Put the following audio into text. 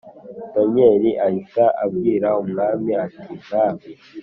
Daniyeli ahita abwira umwami ati mwami